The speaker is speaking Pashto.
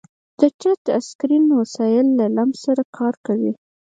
د ټچ اسکرین وسایل د لمس سره کار کوي.